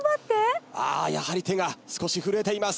あやはり手が少し震えています。